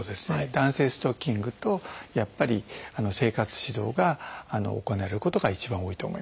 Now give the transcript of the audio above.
弾性ストッキングとやっぱり生活指導が行われることが一番多いと思います。